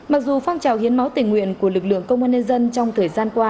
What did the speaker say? mặc dù phong trào hiến máu tình nguyện của lực lượng công an nhân dân trong thời gian qua